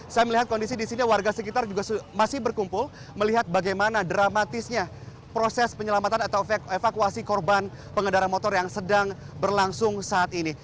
saya melihat kondisi di sini warga sekitar juga masih berkumpul melihat bagaimana dramatisnya proses penyelamatan atau evakuasi korban pengendara motor yang sedang berlangsung saat ini